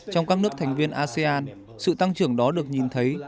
trong các nước thành viên asean sự tăng trưởng đó được nhìn thấy